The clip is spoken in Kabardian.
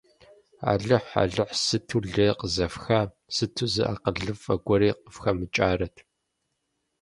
Алыхь-Алыхь, сыту лей къызэфха, сыту зы акъылыфӀэ гуэри къыфхэмыкӀарэт.